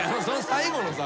最後のさ